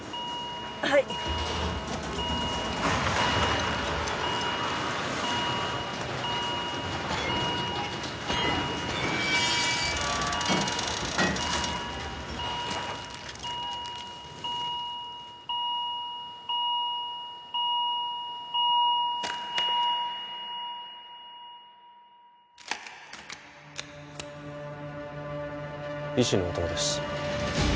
はい医師の音羽です